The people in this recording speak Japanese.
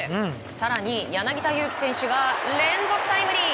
更に、柳田悠岐選手が連続タイムリー！